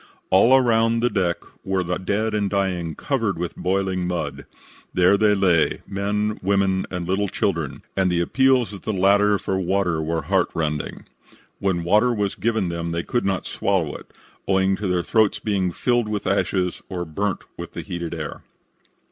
All around on the deck were the dead and dying covered with boiling mud. There they lay, men, women and little children, and the appeals of the latter for water were heart rending. When water was given them they could not swallow it, owing to their throats being filled with ashes or burnt with the heated air.